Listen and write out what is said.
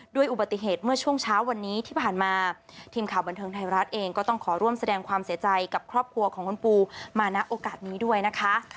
อุบัติเหตุเมื่อช่วงเช้าวันนี้ที่ผ่านมาทีมข่าวบันเทิงไทยรัฐเองก็ต้องขอร่วมแสดงความเสียใจกับครอบครัวของคุณปูมาณโอกาสนี้ด้วยนะคะ